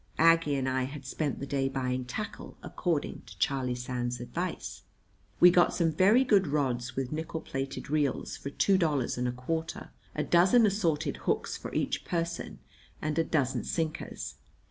Aggie and I had spent the day buying tackle, according to Charlie Sands's advice. We got some very good rods with nickel plated reels for two dollars and a quarter, a dozen assorted hooks for each person, and a dozen sinkers.